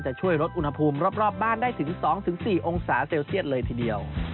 ช่วยลดอุณหภูมิรอบบ้านได้ถึง๒๔องศาเซลเซียตเลยทีเดียว